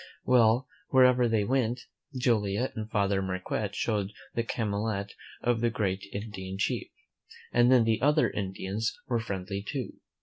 Well, wherever they went, Joliet and Father Marquette showed the calumet of the great Indian chief, and then the other Indians were friendly too.